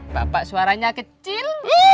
bapak suaranya kecil